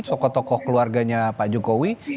tokoh tokoh keluarganya pak jokowi